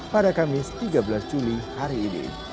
pada kamis tiga belas juli hari ini